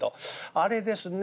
あれですね